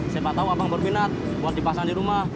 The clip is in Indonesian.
siapa tau abang baru binat buat dipasang di rumah